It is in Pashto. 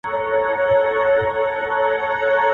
زه به سبا کښېناستل کوم،